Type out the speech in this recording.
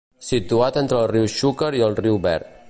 Situat entre el riu Xúquer i el riu Verd.